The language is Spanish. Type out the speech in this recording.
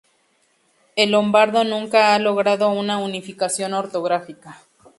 El lombardo nunca ha logrado una unificación ortográfica.